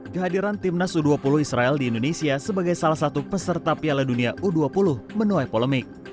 kehadiran timnas u dua puluh israel di indonesia sebagai salah satu peserta piala dunia u dua puluh menuai polemik